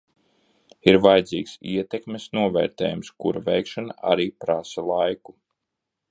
Ir vajadzīgs ietekmes novērtējums, kura veikšana arī prasa laiku.